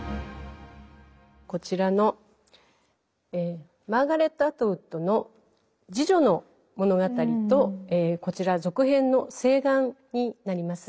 こちらのマーガレット・アトウッドの「侍女の物語」とこちら続編の「誓願」になります。